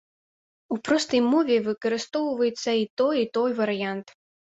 У простай мове выкарыстоўваецца і той, і той варыянт.